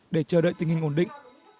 để chờ đợi tình hình ổn định